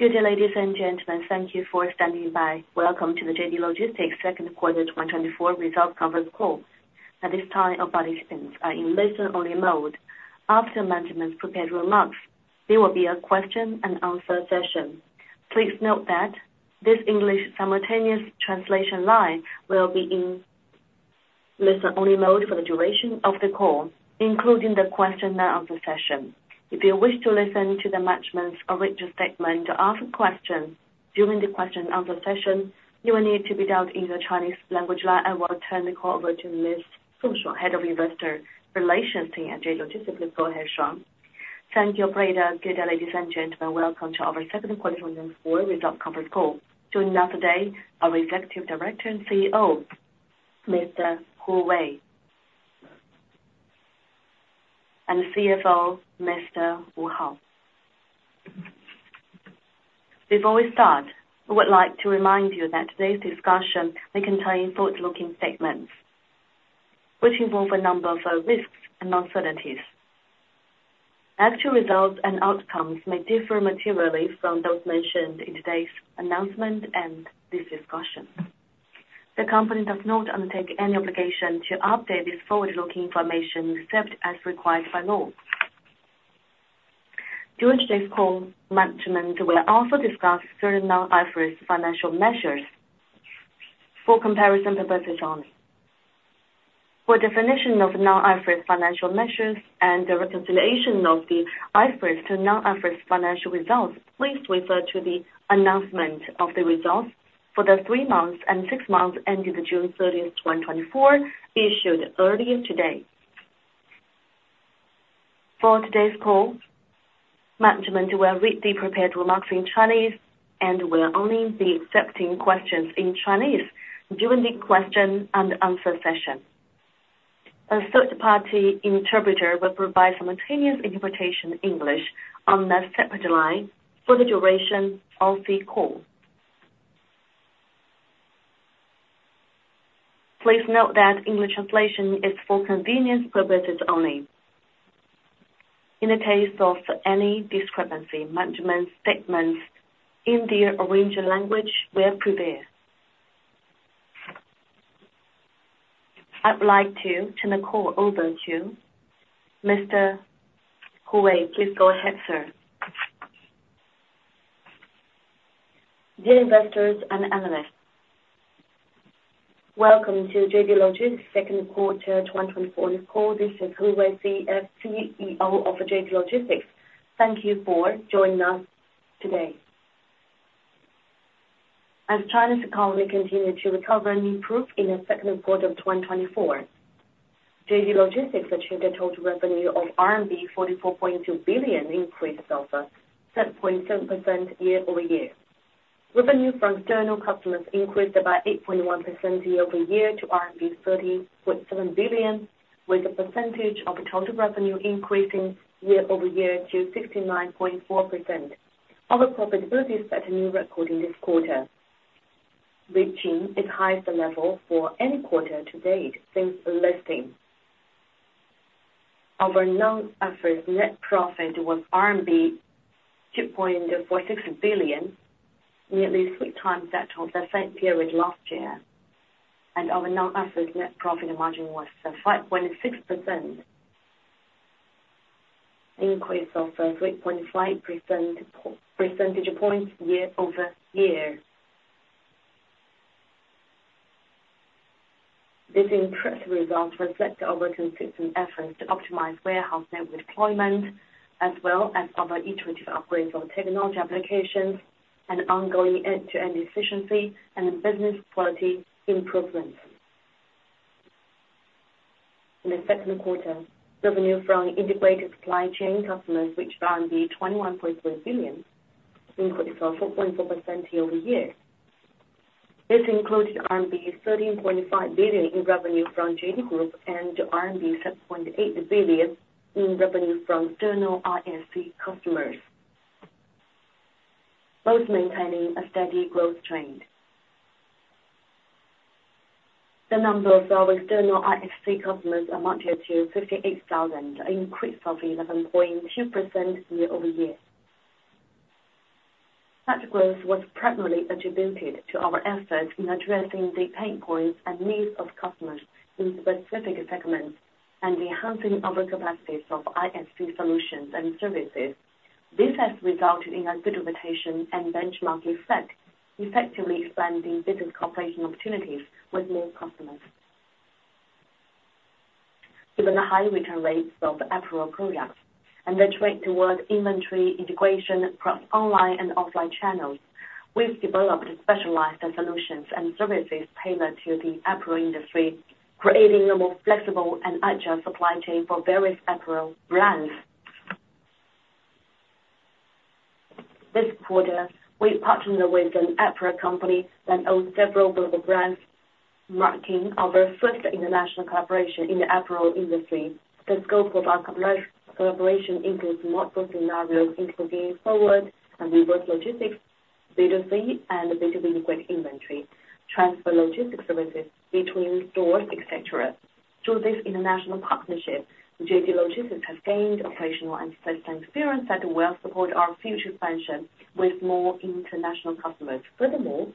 Good day, ladies and gentlemen. Thank you for standing by. Welcome to the JD Logistics second quarter 2024 results conference call. At this time, all participants are in listen-only mode. After management's prepared remarks, there will be a question and answer session. Please note that this English simultaneous translation line will be in listen-only mode for the duration of the call, including the question and answer session. If you wish to listen to the management's original statement or ask questions during the question and answer session, you will need to dial the Chinese language line. I will turn the call over to Ms. Shuang, Head of Investor Relations team at JD Logistics. Please go ahead, Shuang. Thank you, operator. Good day, ladies and gentlemen, welcome to our second quarter 2024 results conference call. Joining us today, our Executive Director and CEO, Mr. Hu Wei, and CFO, Mr. Wu Hao. Before we start, I would like to remind you that today's discussion may contain forward-looking statements, which involve a number of risks and uncertainties. Actual results and outcomes may differ materially from those mentioned in today's announcement and this discussion. The company does not undertake any obligation to update this forward-looking information, except as required by law. During today's call, management will also discuss certain Non-IFRS financial measures for comparison purposes only. For definition of Non-IFRS financial measures and the reconciliation of the IFRS to Non-IFRS financial results, please refer to the announcement of the results for the three months and six months ending June 30, 2024, issued earlier today. For today's call, management will read the prepared remarks in Chinese and will only be accepting questions in Chinese during the question and answer session. A third-party interpreter will provide simultaneous interpretation in English on the separate line for the duration of the call. Please note that English translation is for convenience purposes only. In the case of any discrepancy, management's statements in the original language will prevail. I'd like to turn the call over to Mr. Hu Wei. Please go ahead, sir. Dear investors and analysts, welcome to JD Logistics second quarter 2024 call. This is Hu Wei, the CEO of JD Logistics. Thank you for joining us today. As China's economy continued to recover and improve in the second quarter of 2024, JD Logistics achieved a total revenue of RMB 44.2 billion, increased over 7.7% year-over-year. Revenue from external customers increased about 8.1% year-over-year to RMB 30.7 billion, with a percentage of the total revenue increasing year-over-year to 69.4%. Our profitability set a new record in this quarter, reaching its highest level for any quarter to date since the listing. Our non-IFRS net profit was RMB 2.46 billion, nearly three times that of the same period last year, and our non-IFRS net profit margin was 5.6%, an increase of 3.5 percentage points year-over-year. These impressive results reflect our consistent efforts to optimize warehouse network deployment, as well as our iterative upgrades of technology applications and ongoing end-to-end efficiency and business quality improvements. In the second quarter, revenue from integrated supply chain customers reached 21.4 billion, increased 4.4% year-over-year. This included RMB 13.5 billion in revenue from JD Group and RMB 7.8 billion in revenue from external ISC customers, both maintaining a steady growth trend. The number of our external ISC customers amounted to 58,000, an increase of 11.2% year-over-year. Such growth was primarily attributed to our efforts in addressing the pain points and needs of customers in specific segments and enhancing our capacities of ISC solutions and services. This has resulted in accreditation and benchmark effect, effectively expanding business cooperation opportunities with more customers. Given the high return rates of apparel products and the trend towards inventory integration across online and offline channels, we've developed specialized solutions and services tailored to the apparel industry, creating a more flexible and agile supply chain for various apparel brands. This quarter, we partnered with an apparel company that owns several global brands, marking our first international collaboration in the apparel industry. The scope of our collaboration includes multiple scenarios, including forward and reverse logistics, B2C and B2B liquid inventory, transfer logistics services between stores, et cetera. Through this international partnership, JD Logistics has gained operational and first-hand experience that will support our future expansion with more international customers. Furthermore,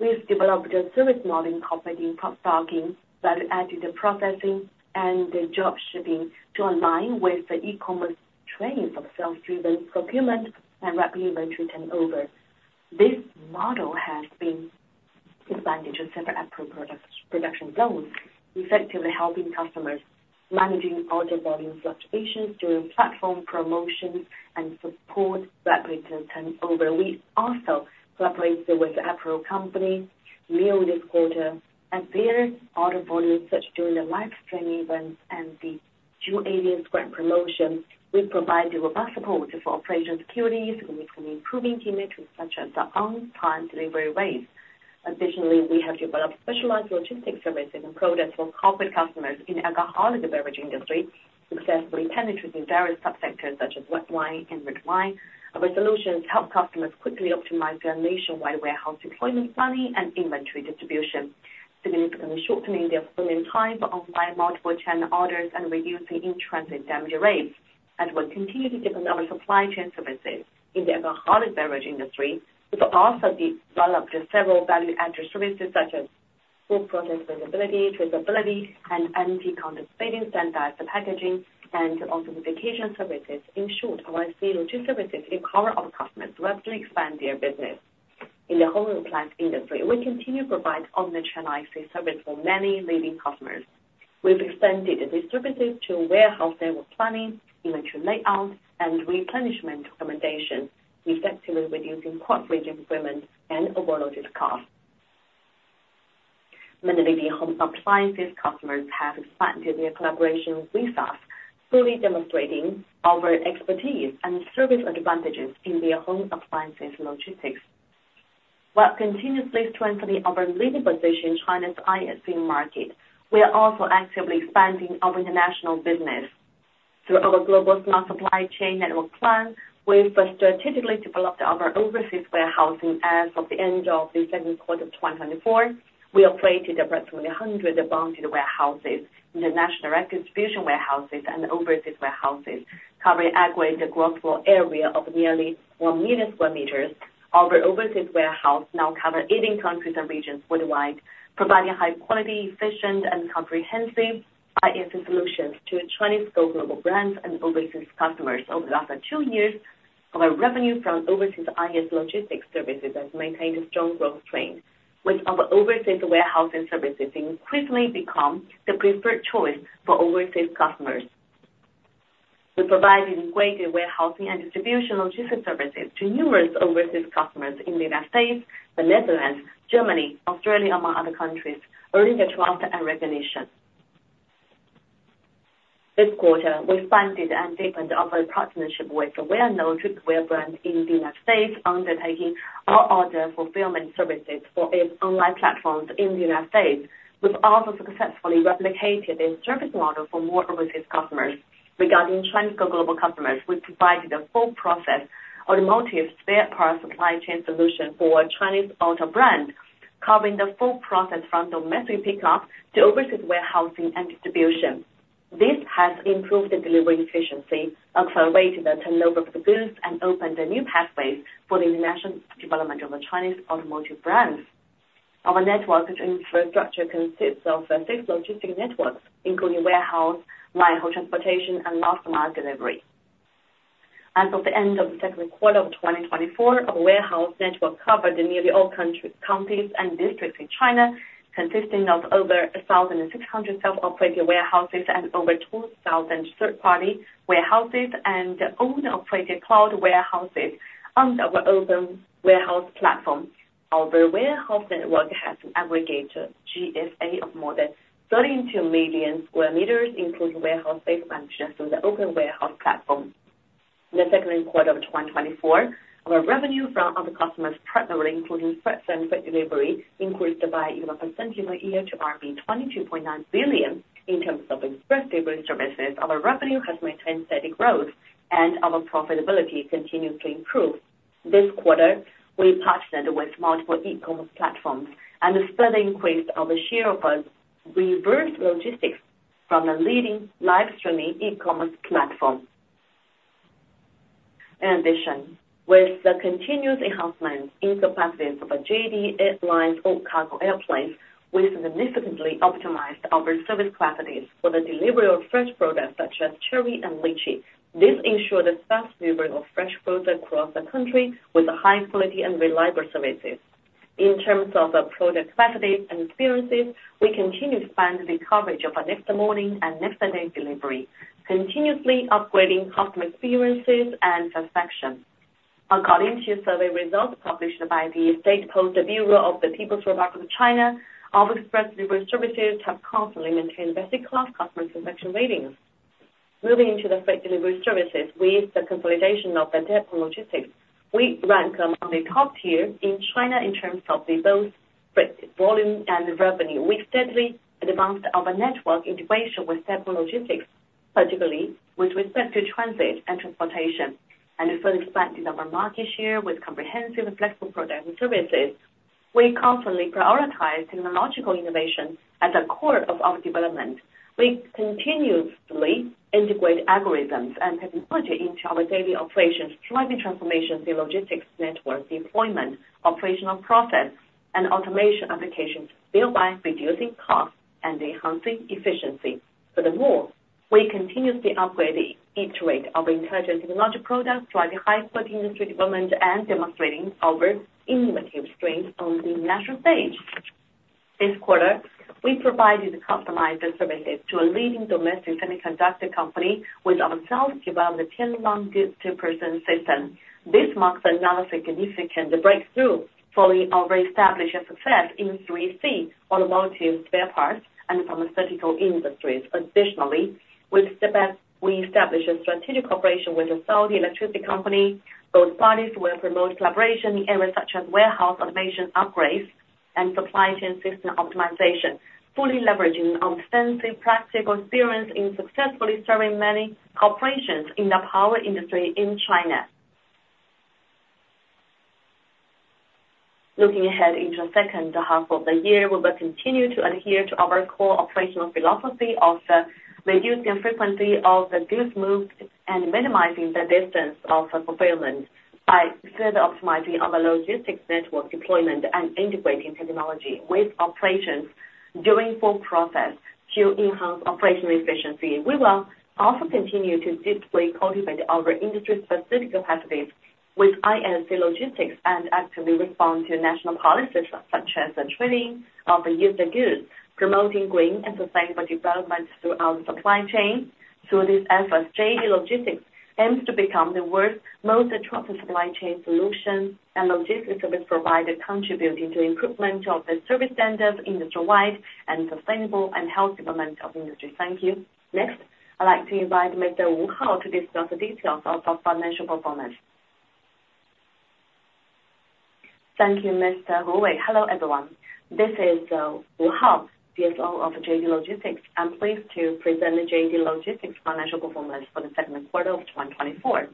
we've developed a service model incorporating cross-docking that added the processing and the drop shipping to align with the e-commerce trends of self-driven procurement and rapid inventory turnover. This model has been expanded to several apparel production zones, effectively helping customers managing order volume fluctuations during platform promotions and support rapid turnover. We also collaborated with the apparel company, Lee, this quarter, and their order volumes, such as during the live stream events and the Two Way Square Neck promotion. We provide robust support for operational efficiencies and improving metrics, such as the on-time delivery rates. Additionally, we have developed specialized logistics services and products for corporate customers in alcoholic beverage industry, successfully penetrating various subsectors such as white wine and red wine. Our solutions help customers quickly optimize their nationwide warehouse deployment planning and inventory distribution, significantly shortening the fulfillment time for online multiple channel orders and reducing in-transit damage rates. We're continuing to develop our supply chain services. In the alcoholic beverage industry, we've also developed several value-added services, such as full product visibility, traceability, and empty pallet scanning, standardized packaging, and authentication services. In short, our logistics services empower our customers to rapidly expand their business. In the home appliance industry, we continue to provide omni-channel ISC service for many leading customers. We've extended the distribution to warehouse network planning, inventory layout, and replenishment recommendation, effectively reducing port bridge equipment and overloaded costs. Many leading home appliances customers have expanded their collaboration with us, fully demonstrating our expertise and service advantages in their home appliances logistics. While continuously strengthening our leading position in China's ISC market, we are also actively expanding our international business. Through our global smart supply chain network plan, we've strategically developed our overseas warehousing. As of the end of the second quarter of 2024, we operated approximately 100 bonded warehouses, international distribution warehouses, and overseas warehouses, covering an aggregate gross floor area of nearly 1 million sq m. Our overseas warehouses now cover 18 countries and regions worldwide, providing high quality, efficient, and comprehensive ISC solutions to Chinese global brands and overseas customers. Over the last two years, our revenue from overseas ISC logistics services has maintained a strong growth trend, with our overseas warehousing services increasingly become the preferred choice for overseas customers. We provide integrated warehousing and distribution logistics services to numerous overseas customers in the United States, the Netherlands, Germany, Australia, among other countries, earning their trust and recognition. This quarter, we expanded and deepened our partnership with a well-known footwear brand in the United States, undertaking our order fulfillment services for its online platforms in the United States. We've also successfully replicated a service model for more overseas customers. Regarding Chinese global customers, we provided a full process automotive spare parts supply chain solution for a Chinese auto brand, covering the full process from domestic pickup to overseas warehousing and distribution. This has improved the delivery efficiency, accelerated the turnover of the goods, and opened the new pathways for the international development of the Chinese automotive brands. Our network infrastructure consists of six logistic networks, including warehouse, line haul, transportation, and last mile delivery. As of the end of the second quarter of 2024, our warehouse network covered nearly all counties and districts in China, consisting of over 1,600 self-operated warehouses and over 2,000 third-party warehouses and owner-operated cloud warehouses under our open warehouse platform. Our warehouse network has an aggregated GFA of more than 32 million sq m, including warehouse-based functions in the open warehouse platform. In the second quarter of 2024, our revenue from other customers partnering, including express and freight delivery, increased by 11% year-over-year to 22.9 billion. In terms of express delivery services, our revenue has maintained steady growth and our profitability continues to improve. This quarter, we partnered with multiple e-commerce platforms and a steady increase of the share of our reverse logistics from a leading live streaming e-commerce platform. In addition, with the continuous enhancement in capacities of JD Airlines all-cargo airplanes, we significantly optimized our service capacities for the delivery of fresh products such as cherry and lychee. This ensured a fast delivery of fresh foods across the country with high quality and reliable services. In terms of the product capacities and experiences, we continue to expand the coverage of our next morning and next day delivery, continuously upgrading customer experiences and satisfaction. According to survey results published by the State Post Bureau of the People's Republic of China, our express delivery services have constantly maintained first-class customer satisfaction ratings. Moving into the freight delivery services, with the consolidation of Deppon Logistics, we rank among the top tier in China in terms of both freight volume and revenue. We steadily advanced our network integration with Deppon Logistics, particularly with respect to transit and transportation, and further expanding our market share with comprehensive and flexible products and services. We constantly prioritize technological innovation at the core of our development. We continuously integrate algorithms and technology into our daily operations, driving transformation in logistics network deployment, operational process, and automation applications, thereby reducing costs and enhancing efficiency. Furthermore, we continuously upgrade and iterate intelligent technological products, driving high-quality industry development and demonstrating our innovative strength on the national stage. This quarter, we provided a customized service to a leading domestic semiconductor company with our self-developed Tianlang. This marks another significant breakthrough following our established success in three C automotive spare parts and pharmaceutical industries. Additionally, with JD Logistics, we established a strategic cooperation with the Saudi Electricity Company. Both parties will promote collaboration in areas such as warehouse automation upgrades and supply chain system optimization, fully leveraging our extensive practical experience in successfully serving many corporations in the power industry in China. Looking ahead into the second half of the year, we will continue to adhere to our core operational philosophy of reducing the frequency of the goods moved and minimizing the distance of the fulfillment by further optimizing our logistics network deployment and integrating technology with operations during full process to enhance operational efficiency. We will also continue to deeply cultivate our industry-specific capacities with ISC Logistics and actively respond to national policies such as the trading of used goods, promoting green and sustainable development throughout the supply chain. Through this effort, JD Logistics aims to become the world's most attractive supply chain solution and logistics service provider, contributing to improvement of the service standards industry-wide and sustainable and healthy development of industry. Thank you. Next, I'd like to invite Mr. Wu Hao to discuss the details of our financial performance. Thank you, Mr. Hu Wei. Hello, everyone. This is Wu Hao, CFO of JD Logistics. I'm pleased to present the JD Logistics financial performance for the second quarter of 2024.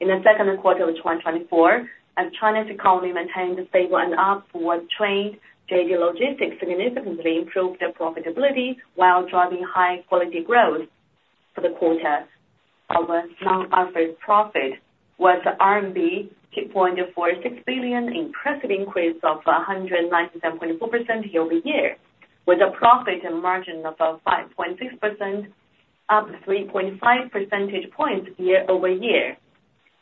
In the second quarter of 2024, as China's economy maintained a stable and upward trend, JD Logistics significantly improved their profitability while driving high-quality growth. For the quarter, our non-GAAP profit was RMB 2.46 billion, impressive increase of 197.4% year-over-year, with a profit margin of 5.6%, up 3.5 percentage points year-over-year.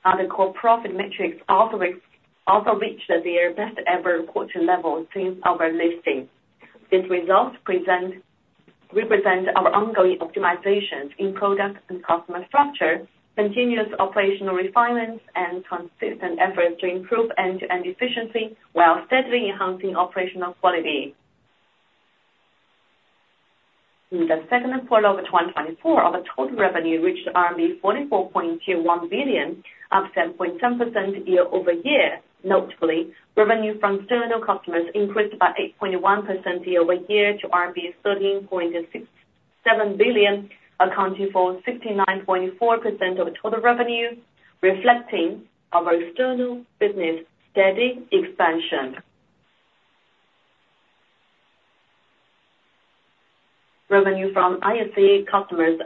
Other core profit metrics also reached their best ever quarter level since our listing. These results represent our ongoing optimizations in product and customer structure, continuous operational refinements, and consistent efforts to improve end-to-end efficiency while steadily enhancing operational quality. In the second quarter of 2024, our total revenue reached RMB 44.21 billion, up 7.10% year-over-year. Notably, revenue from external customers increased by 8.1% year-over-year to RMB 13.67 billion, accounting for 69.4% of total revenue, reflecting our external business steady expansion. Revenue from ISC customers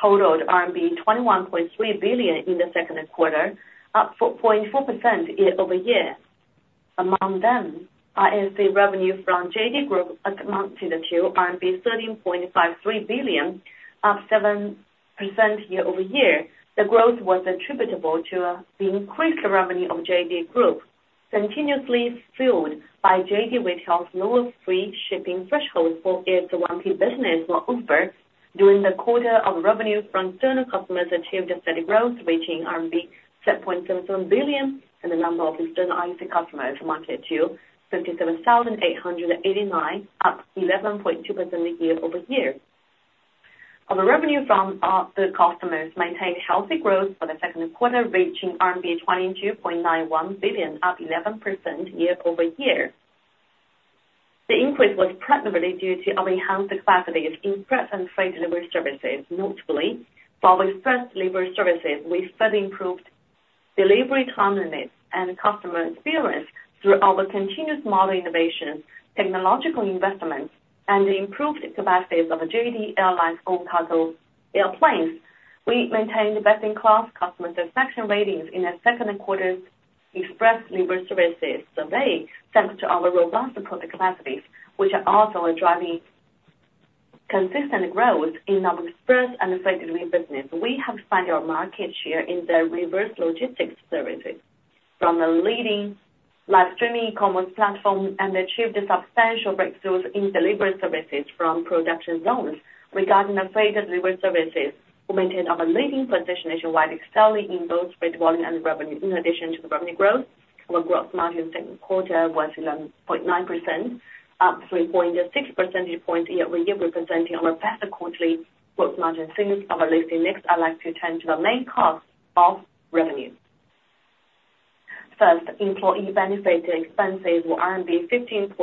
totaled RMB 21.3 billion in the second quarter, up 4.4% year-over-year. Among them, ISC revenue from JD Group amounted to RMB 13.53 billion, up 7% year-over-year. The growth was attributable to the increased revenue of JD Group, continuously fueled by JD Retail's lower free shipping threshold for its 1P business on Uber. During the quarter, our revenue from external customers achieved a steady growth, reaching RMB 7.77 billion, and the number of external ISC customers amounted to 57,889, up 11.2% year-over-year. Our revenue from our third-party customers maintained healthy growth for the second quarter, reaching RMB 22.91 billion, up 11% year-over-year. The increase was primarily due to our enhanced capacities in express and freight delivery services. Notably, for our express delivery services, we further improved delivery time limits and customer experience through our continuous model innovations, technological investments, and the improved capacities of the JD Airlines all-cargo airplanes. We maintained best-in-class customer satisfaction ratings in the second quarter's express delivery services survey, thanks to our robust product capacities, which are also driving consistent growth in our express and freight delivery business. We have expanded our market share in the reverse logistics services from a leading live streaming e-commerce platform, and achieved a substantial breakthrough in delivery services from production zones. Regarding the freight delivery services, we maintained our leading position nationwide, excelling in both freight volume and revenue. In addition to the revenue growth, our growth margin second quarter was 11.9%, up 3.6 percentage points year-over-year, representing our best quarterly growth margin since our listing. Next, I'd like to turn to the main cost of revenue. First, employee benefit expenses were 15.14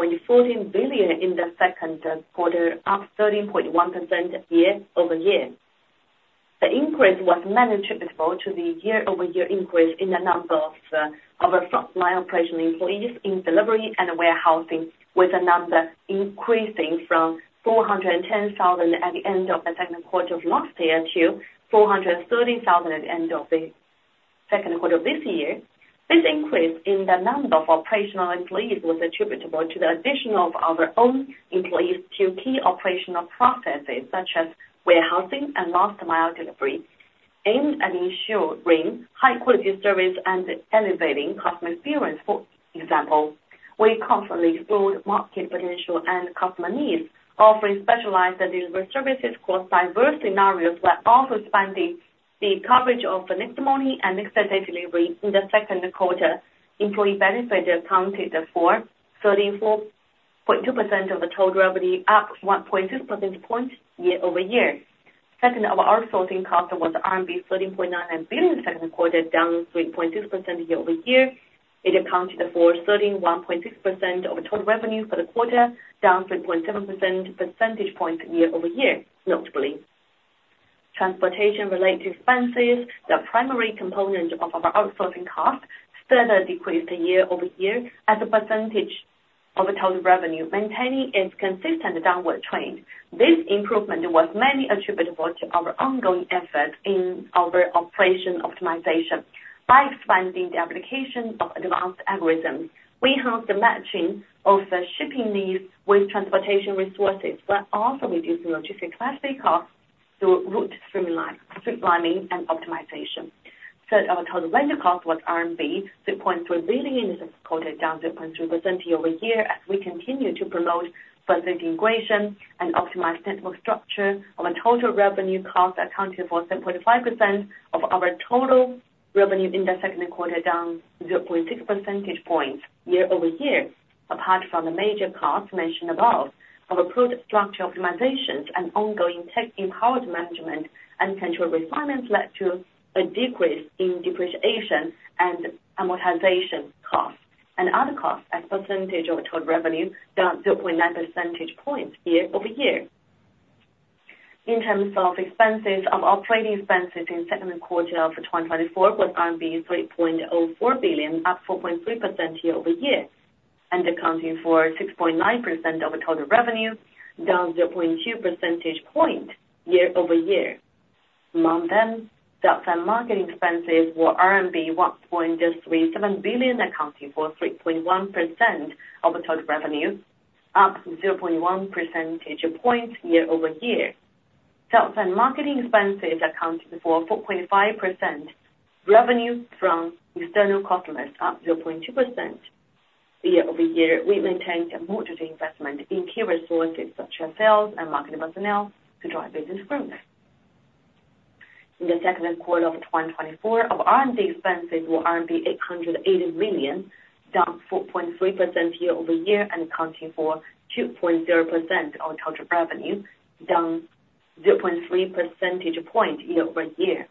billion in the second quarter, up 13.1% year-over-year. The increase was mainly attributable to the year-over-year increase in the number of our frontline operational employees in delivery and warehousing, with the number increasing from 410,000 at the end of the second quarter of last year to 430,000 at the end of the second quarter of this year. This increase in the number of operational employees was attributable to the addition of our own employees to key operational processes, such as warehousing and last mile delivery, aimed at ensuring high quality service and elevating customer experience. For example, we constantly explored market potential and customer needs, offering specialized delivery services across diverse scenarios, while also expanding the coverage of the next morning and next day delivery in the second quarter. Employee benefit accounted for 34.2% of the total revenue, up 1.6 percentage points year-over-year. Second, our outsourcing cost was RMB 13.9 billion second quarter, down 3.6% year-over-year. It accounted for 13.16% of total revenue for the quarter, down 3.7 percentage points year-over-year. Notably, transportation-related expenses, the primary component of our outsourcing cost, further decreased year-over-year as a percentage of total revenue, maintaining its consistent downward trend. This improvement was mainly attributable to our ongoing efforts in our operation optimization. By expanding the application of advanced algorithms, we enhanced the matching of the shipping needs with transportation resources, but also reducing logistic class B costs through route streamline, streamlining, and optimization. Third, our total labor cost was CNY 6.3 billion in the second quarter, down 0.3% year-over-year, as we continue to promote budget integration and optimize network structure. Our total revenue cost accounted for 7.5% of our total revenue in the second quarter, down 0.6 percentage points year-over-year. Apart from the major costs mentioned above, our product structure optimizations and ongoing tech-empowered management and control refinements led to a decrease in depreciation and amortization costs, and other costs as percentage of total revenue, down 0.9 percentage points year-over-year. In terms of expenses, our operating expenses in second quarter for 2024 was 3.04 billion, up 4.3% year-over-year, and accounting for 6.9% of total revenue, down 0.2 percentage point year-over-year. Among them, sales and marketing expenses were RMB 1.37 billion, accounting for 3.1% of total revenue, up 0.1 percentage point year-over-year. Sales and marketing expenses accounted for 4.5% revenue from external customers, up 0.2% year-over-year. We maintained a multi investment in key resources, such as sales and marketing personnel, to drive business growth. In the second quarter of 2024, our R&D expenses were 880 million, down 4.3% year-over-year, and accounting for 2.0% of total revenue, down 0.3 percentage point year-over-year.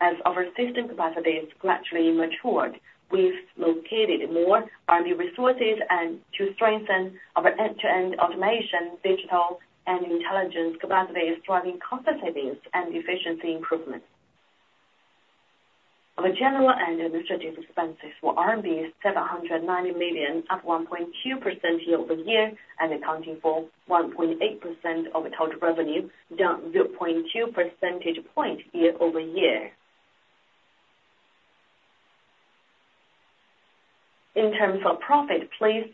As our system capacity is gradually matured, we've located more R&D resources and to strengthen our end-to-end automation, digital and intelligence capacities, driving cost savings and efficiency improvements. Our general and administrative expenses were 790 million RMB, up 1.2% year-over-year, and accounting for 1.8% of total revenue, down 0.2 percentage point year-over-year. In terms of profit, please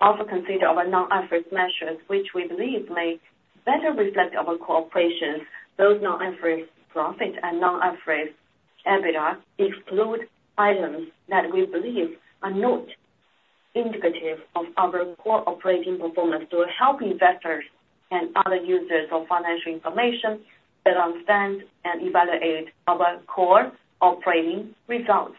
also consider our non-IFRS measures, which we believe may better reflect our corporation. Those non-IFRS profit and non-IFRS EBITDA exclude items that we believe are not indicative of our core operating performance, to help investors and other users of financial information better understand and evaluate our core operating results.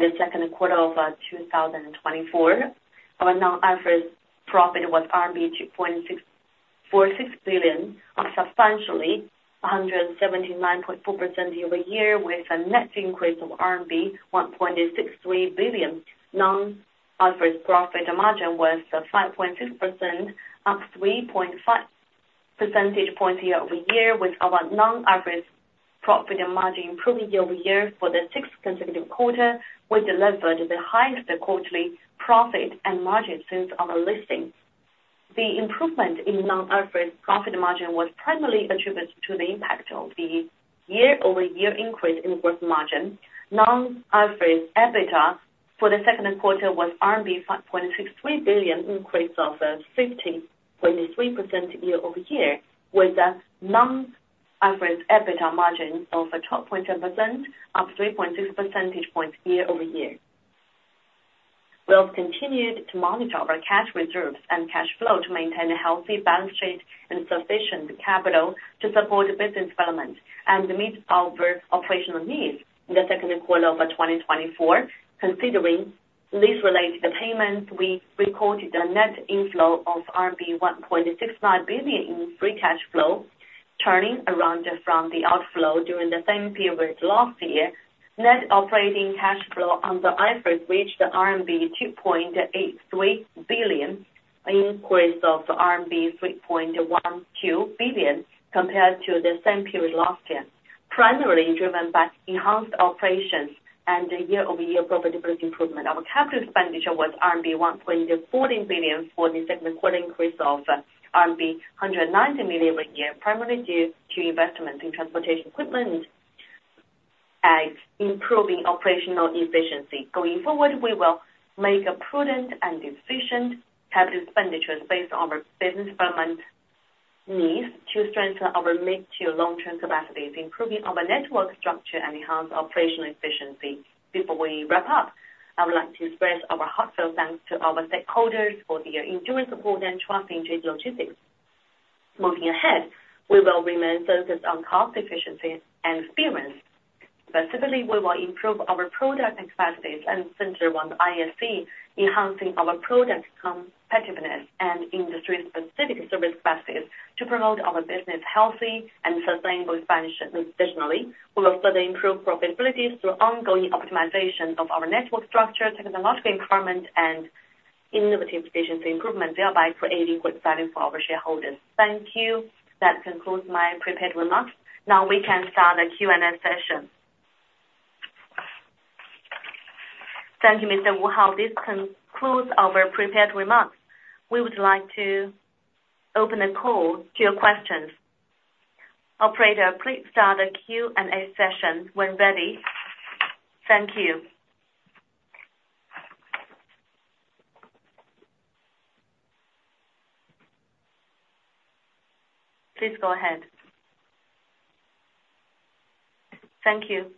In the second quarter of 2024, our non-IFRS profit was RMB 2.646 billion, up substantially 179.4% year-over-year, with a net increase of RMB 1.63 billion. Non-IFRS profit margin was 5.6%, up 3.5 percentage points year-over-year, with our non-IFRS profit and margin improving year-over-year for the sixth consecutive quarter. We delivered the highest quarterly profit and margin since our listing. The improvement in non-IFRS profit margin was primarily attributed to the impact of the year-over-year increase in gross margin. Non-IFRS EBITDA for the second quarter was RMB 5.63 billion, increase of 15.3% year-over-year, with a non-IFRS EBITDA margin of 12.7%, up 3.6 percentage points year-over-year. We have continued to monitor our cash reserves and cash flow to maintain a healthy balance sheet and sufficient capital to support business development and to meet our operational needs. In the second quarter of 2024, considering lease-related payments, we recorded a net inflow of 1.69 billion in free cash flow, turning around from the outflow during the same period last year. Net operating cash flow on the IFRS reached RMB 2.83 billion, an increase of RMB 3.12 billion compared to the same period last year, primarily driven by enhanced operations and a year-over-year profitability improvement. Our capital expenditure was RMB 1.14 billion for the second quarter, increase of RMB 190 million year-over-year, primarily due to investment in transportation equipment and improving operational efficiency. Going forward, we will make a prudent and efficient capital expenditures based on our business development needs to strengthen our mid- to long-term capacities, improving our network structure and enhance operational efficiency. Before we wrap up, I would like to express our heartfelt thanks to our stakeholders for their enduring support and trusting JD Logistics. Moving ahead, we will remain focused on cost efficiency and experience. Specifically, we will improve our product capacities and center on ISC, enhancing our product competitiveness and industry-specific service capacities to promote our business healthy and sustainable expansion. Additionally, we will further improve profitability through ongoing optimization of our network structure, technological empowerment, and innovative efficiency improvement, thereby creating good value for our shareholders. Thank you. That concludes my prepared remarks. Now we can start the Q&A session. Thank you, Mr. Wu Hao. This concludes our prepared remarks. We would like to open the call to your questions. Operator, please start the Q&A session when ready. Thank you. Please go ahead. Thank you.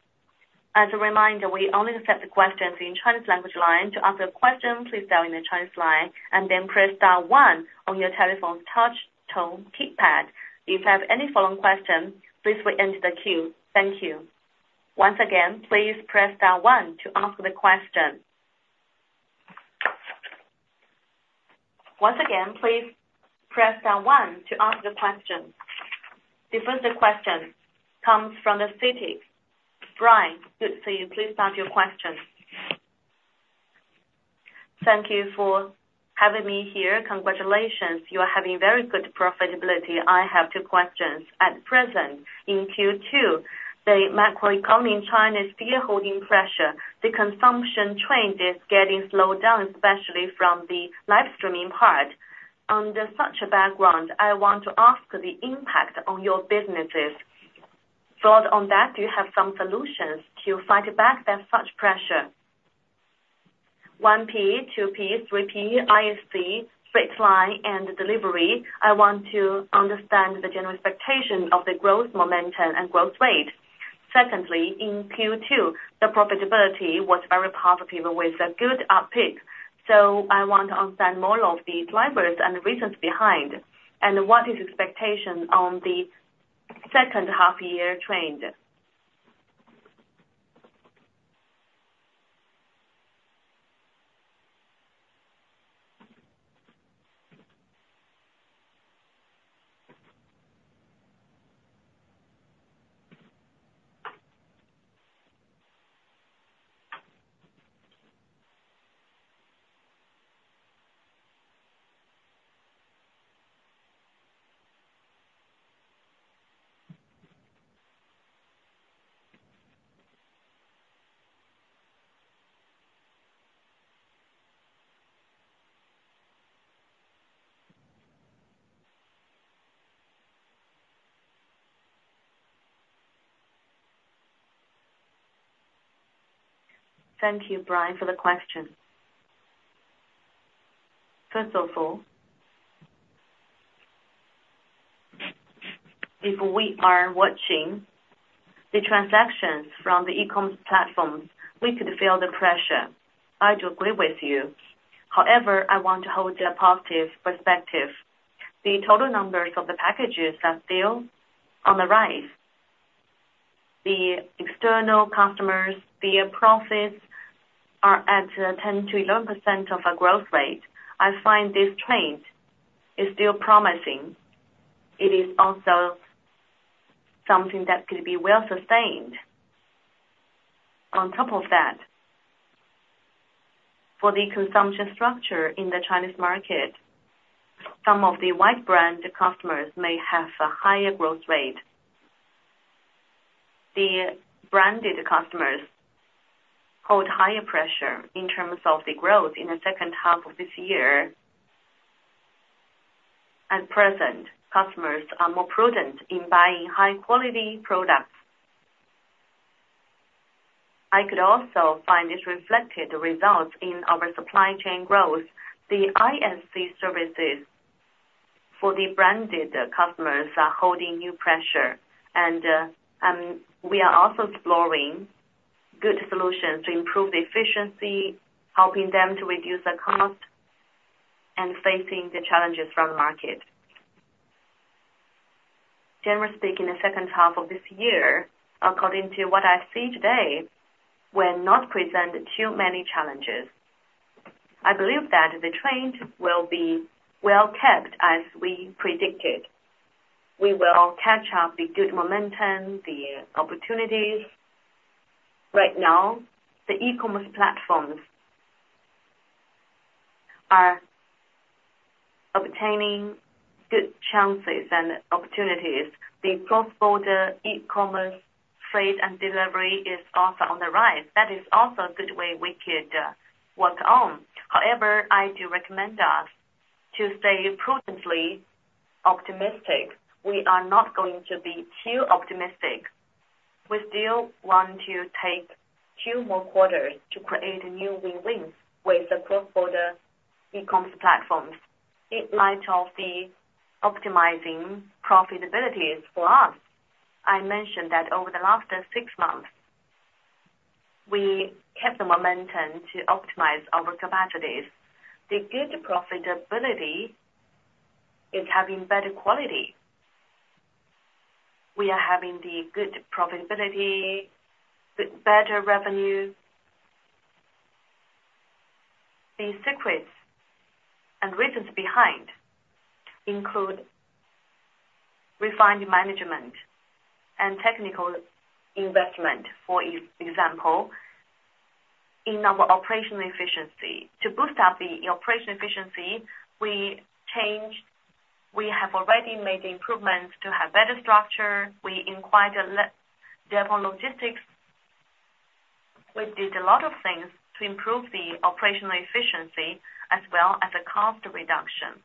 As a reminder, we only accept the questions in Chinese language line. To ask a question, please dial in the Chinese line and then press star one on your telephone's touch tone keypad. If you have any following question, please re-enter the queue. Thank you. Once again, please press star one to ask the question. Once again, please press star one to ask the question. The first question comes from Citi. Brian Gong, go ahead. Please start your question. Thank you for having me here. Congratulations, you are having very good profitability. I have two questions. At present, in Q2, the macroeconomy in China is still holding pressure. The consumption trend is getting slowed down, especially from the live streaming part. Under such a background, I want to ask the impact on your businesses. Thoughts on that, do you have some solutions to fight back that such pressure? One P two P, three P, ISC, straight line, and delivery. I want to understand the general expectation of the growth momentum and growth rate. Secondly, in Q2, the profitability was very positive with a good uptick, so I want to understand more of these drivers and the reasons behind, and what is expectation on the second half year trend? Thank you, Brian, for the question. First of all, if we are watching the transactions from the e-com platforms, we could feel the pressure. I do agree with you. However, I want to hold a positive perspective. The total numbers of the packages are still on the rise. The external customers, their profits are at 10%-11% of our growth rate. I find this trend is still promising. It is also something that could be well sustained. On top of that, for the consumption structure in the Chinese market, some of the white brand customers may have a higher growth rate. The branded customers hold higher pressure in terms of the growth in the second half of this year. At present, customers are more prudent in buying high quality products. I could also find this reflected results in our supply chain growth. The ISC services for the branded customers are holding new pressure, and we are also exploring good solutions to improve the efficiency, helping them to reduce the cost and facing the challenges from the market. Generally speaking, the second half of this year, according to what I see today, will not present too many challenges. I believe that the trend will be well kept as we predicted. We will catch up the good momentum, the opportunities. Right now, the e-commerce platforms are obtaining good chances and opportunities. The cross-border e-commerce trade and delivery is also on the rise. That is also a good way we could work on. However, I do recommend us to stay prudently optimistic. We are not going to be too optimistic. We still want to take two more quarters to create a new win-win with the cross-border e-commerce platforms. In light of the optimizing profitabilities for us, I mentioned that over the last six months, we kept the momentum to optimize our capacities. The good profitability is having better quality. We are having the good profitability, the better revenue. The secrets and reasons behind include refined management and technical investment, for example, in our operational efficiency. To boost up the operational efficiency, we changed. We have already made improvements to have better structure. We acquired Deppon Logistics. We did a lot of things to improve the operational efficiency as well as the cost reduction.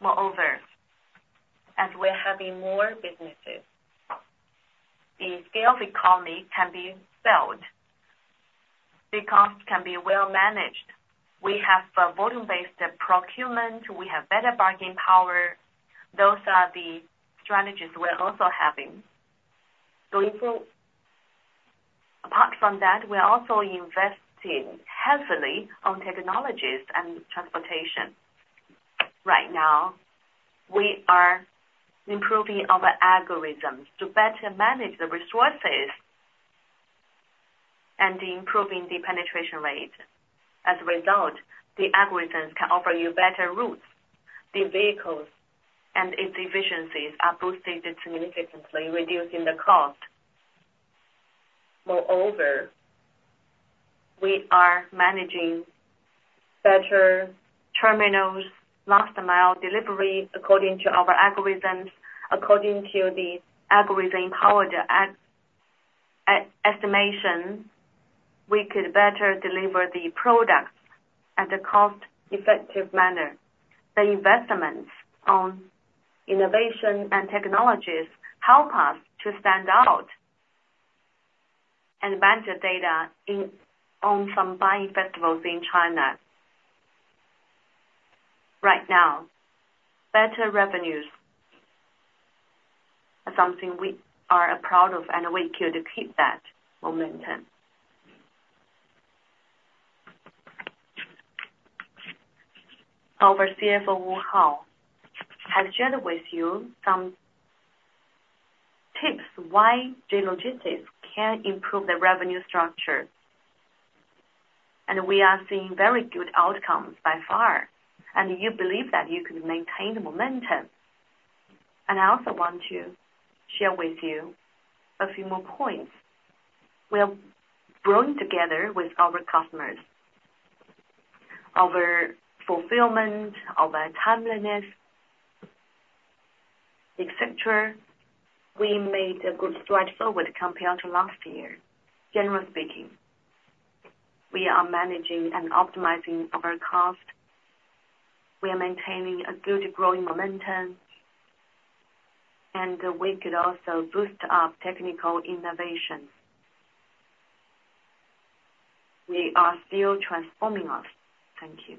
Moreover, as we're having more businesses, the scale of economy can be scaled. The cost can be well managed. We have a volume-based procurement, we have better bargaining power. Those are the strategies we're also having. So improve. Apart from that, we are also investing heavily on technologies and transportation. Right now, we are improving our algorithms to better manage the resources and improving the penetration rate. As a result, the algorithms can offer you better routes. The vehicles and its efficiencies are boosted significantly, reducing the cost. Moreover, we are managing better terminals, last mile delivery, according to our algorithms. According to the algorithm-powered AI estimations, we could better deliver the products at a cost-effective manner. The investments on innovation and technologies help us to stand out and better than in on some buying festivals in China. Right now, better revenues are something we are proud of, and we can keep that momentum. Our CFO, Wu Hao, has shared with you some tips why JD Logistics can improve the revenue structure, and we are seeing very good outcomes so far, and we believe that we can maintain the momentum. I also want to share with you a few more points. We are growing together with our customers. Our fulfillment, our timeliness, et cetera. We made a good stride forward compared to last year. Generally speaking, we are managing and optimizing our cost. We are maintaining a good growing momentum, and we can also boost our technical innovation. We are still transforming us. Thank you.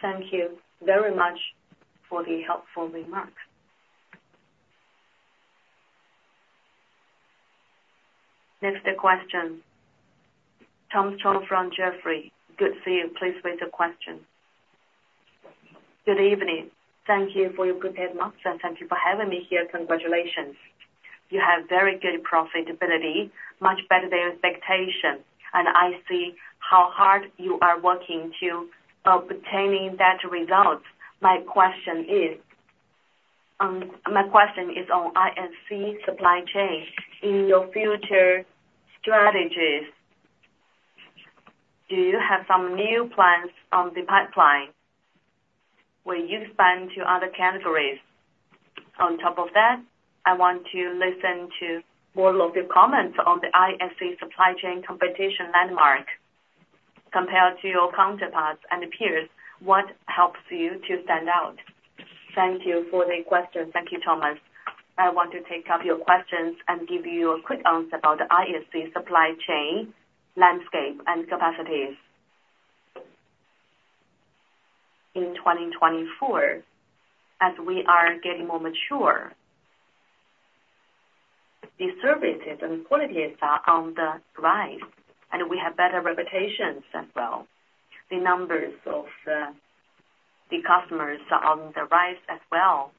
Thank you very much for the helpful remarks. Next question, Thomas Chong from Jefferies. Good to see you. Please raise your question. Good evening. Thank you for your good remarks, and thank you for having me here. Congratulations. You have very good profitability, much better than expectation, and I see how hard you are working to obtaining that result. My question is, my question is on ISC supply chain. In your future strategies, do you have some new plans in the pipeline? Will you expand to other categories? On top of that, I want to listen to more of your comments on the ISC supply chain competitive landscape. Compared to your counterparts and peers, what helps you to stand out? Thank you for the question. Thank you, Thomas. I want to take up your questions and give you a quick answer about the ISC supply chain landscape and capacities. In 2024, as we are getting more mature, the services and qualities are on the rise, and we have better reputations as well. The numbers of the customers are on the rise as well.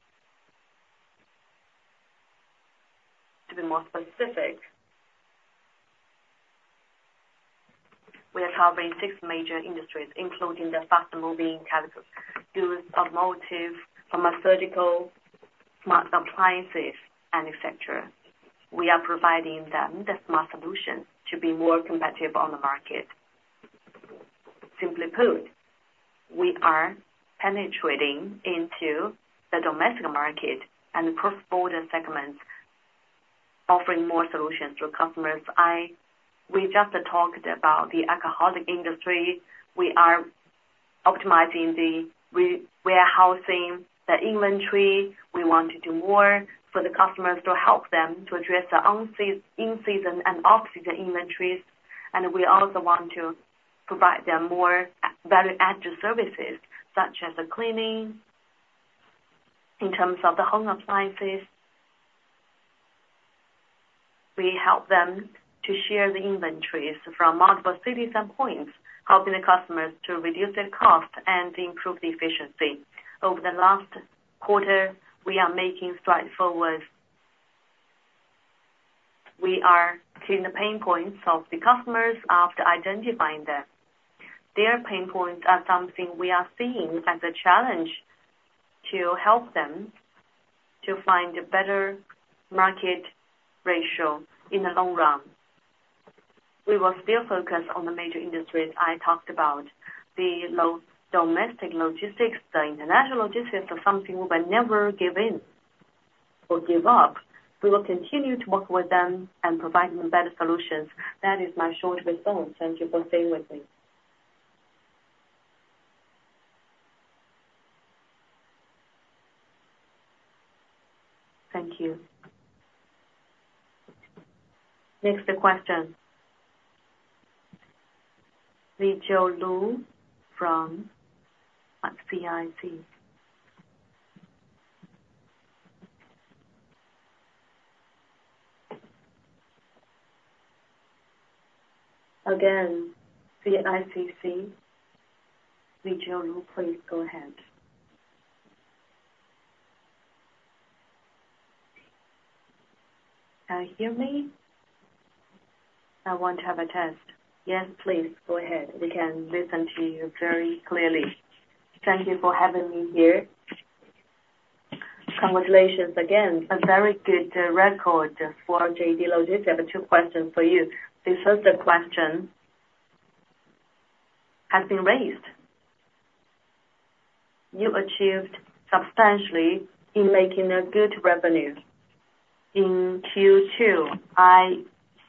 To be more specific, we are covering six major industries, including the fast-moving consumer goods, automotive, pharmaceutical, smart appliances, et cetera. We are providing them the smart solution to be more competitive on the market. Simply put, we are penetrating into the domestic market and cross-border segments, offering more solutions to customers. We just talked about the alcoholic industry. We are optimizing the re-warehousing, the inventory. We want to do more for the customers to help them to address their on-season, in-season, and off-season inventories. And we also want to provide them more value-added services, such as the cleaning. In terms of the home appliances, we help them to share the inventories from multiple cities and points, helping the customers to reduce their cost and improve the efficiency. Over the last quarter, we are making strides forward. We are seeing the pain points of the customers after identifying them. Their pain points are something we are seeing as a challenge to help them to find a better market ratio in the long run. We will still focus on the major industries I talked about. The domestic logistics, the international logistics are something we will never give in or give up. We will continue to work with them and provide them better solutions. That is my short response. Thank you for staying with me. Thank you. Next question. Lizhuo Lu from CICC. Again, CICC, Lizhuo Lu, please go ahead. Can you hear me? I want to have a test. Yes, please go ahead. We can listen to you very clearly. Thank you for having me here. Congratulations again. A very good record for JD Logistics. I have two questions for you. The first question has been raised. You achieved substantially in making a good revenue. In Q2, I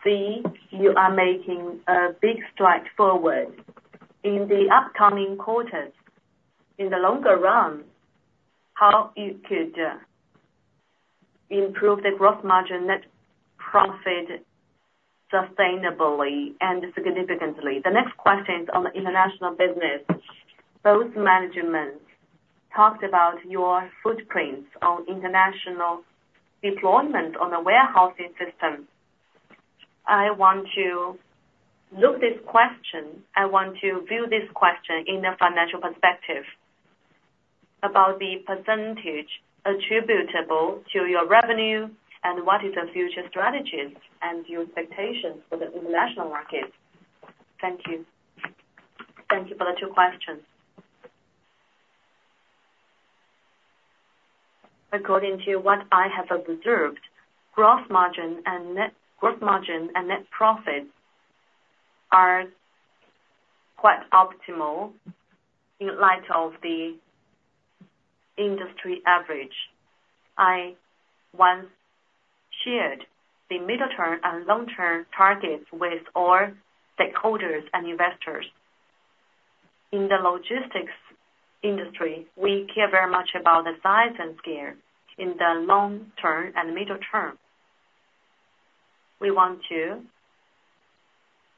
see you are making a big stride forward. In the upcoming quarters, in the longer run, how you could improve the growth margin, net profit sustainably and significantly? The next question is on the international business. Both management talked about your footprints on international deployment on the warehousing system. I want to view this question in a financial perspective about the percentage attributable to your revenue, and what is the future strategies and your expectations for the international market? Thank you. Thank you for the two questions. According to what I have observed, gross margin and net profit are quite optimal in light of the industry average. I once shared the middle-term and long-term targets with all stakeholders and investors. In the logistics industry, we care very much about the size and scale. In the long term and middle term, we want to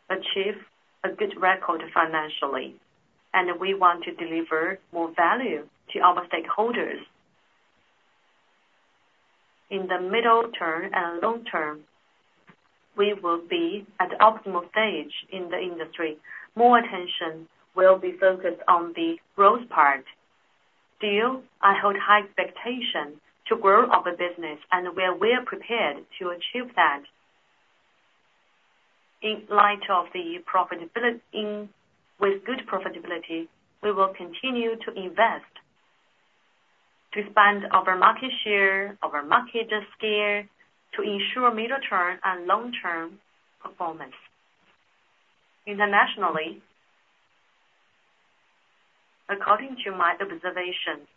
achieve a good record financially, and we want to deliver more value to our stakeholders. In the middle term and long term, we will be at the optimal stage in the industry. More attention will be focused on the growth part. Still, I hold high expectation to grow our business, and we are well prepared to achieve that. In light of the profitability, with good profitability, we will continue to invest, to expand our market share, our market scale, to ensure middle-term and long-term performance. Internationally, according to my observation,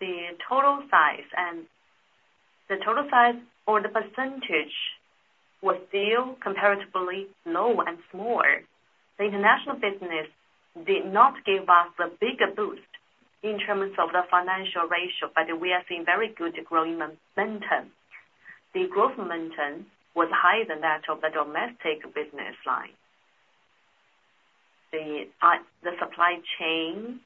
the total size or the percentage was still comparatively low and small. The international business did not give us the bigger boost in terms of the financial ratio, but we are seeing very good growth momentum. The growth momentum was higher than that of the domestic business line... The supply chain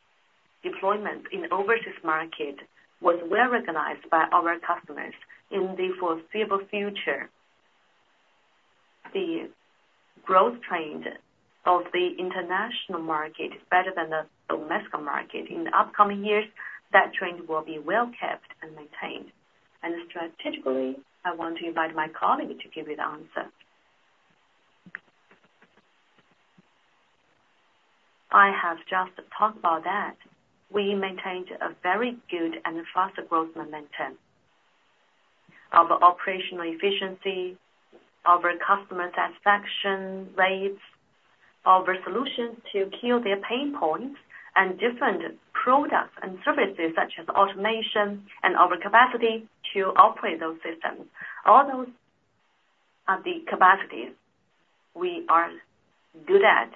deployment in overseas market was well recognized by our customers. In the foreseeable future, the growth trend of the international market is better than the domestic market. In the upcoming years, that trend will be well kept and maintained. And strategically, I want to invite my colleague to give you the answer. I have just talked about that. We maintained a very good and faster growth momentum. Our operational efficiency, our customer satisfaction rates, our solutions to kill their pain points, and different products and services such as automation and our capacity to operate those systems. All those are the capacities we are good at,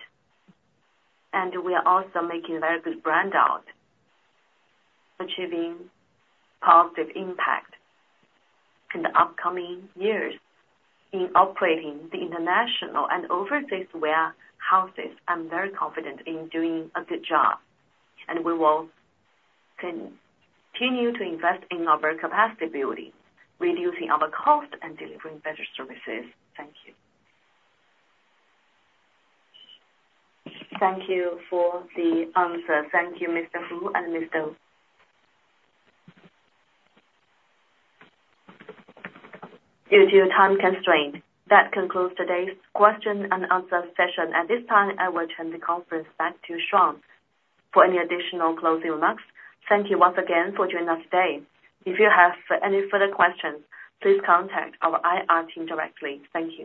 and we are also making a very good brand out, achieving positive impact in the upcoming years in operating the international and overseas warehouses. I'm very confident in doing a good job, and we will continue to invest in our capacity building, reducing our cost and delivering better services. Thank you. Thank you for the answer. Thank you, Mr. Hu and Ms. Dou. Due to time constraint, that concludes today's question and answer session. At this time, I will turn the conference back to Sean for any additional closing remarks. Thank you once again for joining us today. If you have any further questions, please contact our IR team directly. Thank you.